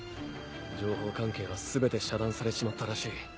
情報関係は全て遮断されちまったらしい。